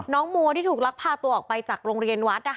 มัวที่ถูกลักพาตัวออกไปจากโรงเรียนวัด